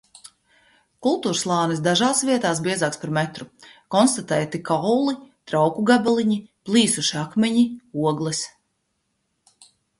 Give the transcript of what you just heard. Kultūrslānis dažās vietās biezāks par metru, konstatēti kauli, trauku gabaliņi, plīsuši akmeņi, ogles.